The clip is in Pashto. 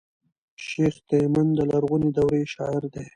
شېخ تیمن د لرغوني دورې شاعر دﺉ.